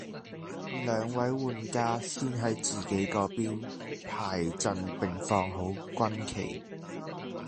兩位玩家先喺自己嗰邊排陣並放好軍旗